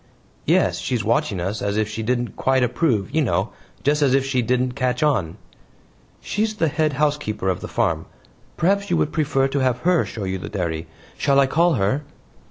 "Yes. She's watching us as if she didn't quite approve, you know just as if she didn't catch on." "She's the head housekeeper of the farm. Perhaps you would prefer to have her show you the dairy; shall I call her?"